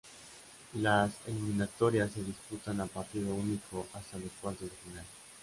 Las eliminatorias se disputan a partido único hasta los cuartos de final.